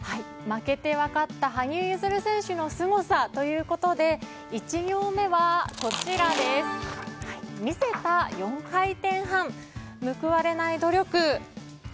負けて分かった羽生結弦選手のすごさということで１行目は、魅せた４回転半報われない努力。